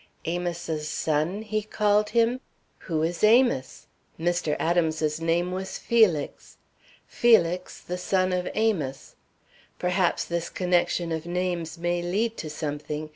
'Amos's son,' he called him? Who is Amos? Mr. Adams's name was Felix. Felix, the son of Amos. Perhaps this connection of names may lead to something.